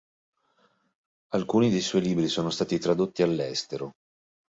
Alcuni dei suoi libri sono stati tradotti all'estero.